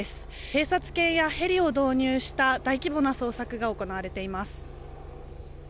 警察犬やヘリを導入した大規模な捜索が行われています。